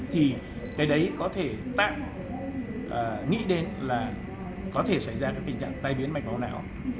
thì cái đấy có thể tạm nghĩ đến là có thể xảy ra cái tình trạng tai biến mạch máu não